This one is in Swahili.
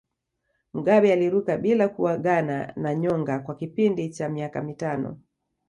Mugabe aliruka bila kuagana na nyonga kwa kipindi cha miaka mitano